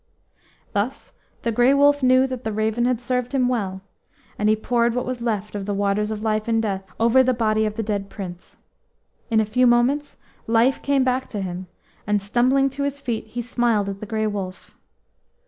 Thus the Grey Wolf knew that the raven had served him well, and he poured what was left of the Waters of Life and Death over the body of the dead Prince. In a few moments life came back to him, and, stumbling to his feet, he smiled at the Grey Wolf.